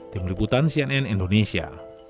tim liputan cnn indonesia